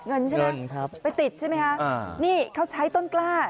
เงินใช่ไหมไปติดใช่ไหมคะนี่เขาใช้ต้นกล้า